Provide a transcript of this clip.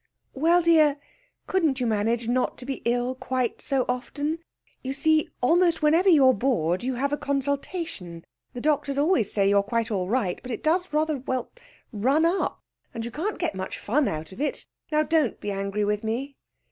'Well, dear, couldn't you manage not to be ill quite so often? You see, almost whenever you're bored you have a consultation. The doctors always say you're quite all right; but it does rather well, run up, and you can't get much fun out of it. Now, don't be angry with me.'